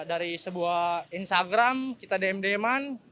ya dari sebuah instagram kita dm dm an